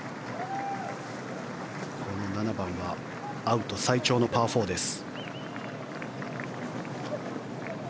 この７番はアウト最長のパー４です。